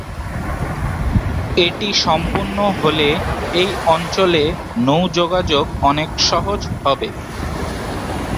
এটি সম্পন্ন হলে এই অঞ্চলে নৌ যোগাযোগ অনেক সহজ হবে।